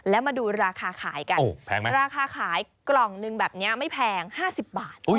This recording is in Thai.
แล้วมาดูราคาขายกันราคาขายกล่องหนึ่งแบบนี้ไม่แพง๕๐บาท